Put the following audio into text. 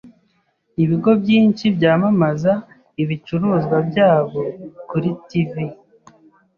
Ibigo byinshi byamamaza ibicuruzwa byabo kuri TV.